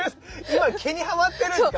今毛にハマってるんですか？